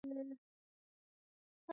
Vipimo vya vimiminika